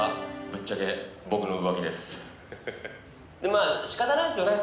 「まあ仕方ないですよね。